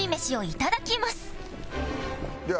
いただきます！